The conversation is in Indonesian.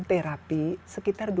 terapi sekitar dua ratus